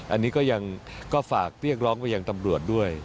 อันนี้ก็ยังก็ฝากเรียกร้องไปยังตำรวจด้วย